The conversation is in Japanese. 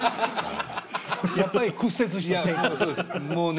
やっぱり屈折した性格ですね。